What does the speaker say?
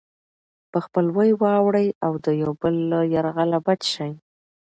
په خپلوۍ واوړي او د يو بل له يرغله بچ شي.